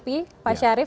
terima kasih arief